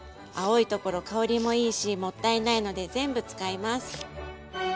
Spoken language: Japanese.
青いところ香りもいいしもったいないので全部使います。